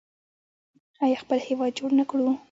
آیا خپل هیواد جوړ کړو؟